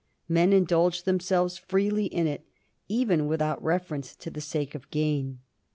Men indulge themselves freely in it, even without reference to the sake of gain.